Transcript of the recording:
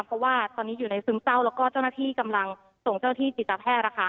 เพราะว่าตอนนี้อยู่ในซึมเศร้าแล้วก็เจ้าหน้าที่กำลังส่งเจ้าที่จิตแพทย์